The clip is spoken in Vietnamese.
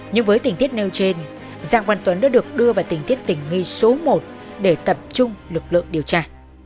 nhưng với tình tiết nêu trên giang văn tuấn đã được đưa vào tình tiết tình nghi số một để tập trung lực lượng điều tra